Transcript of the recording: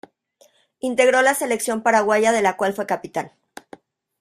Integró la Selección Paraguaya de la cual fue Capitán.